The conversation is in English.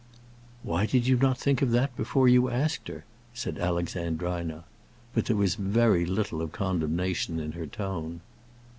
"Why did you not think of that before you asked her?" said Alexandrina. But there was very little of condemnation in her tone.